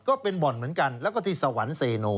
ก็เป็นบ่อนเหมือนกันแล้วก็ที่สวรรค์เซโน